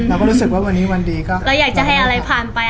เราก็รู้สึกว่าวันนี้วันดีก็เราอยากจะให้อะไรผ่านไป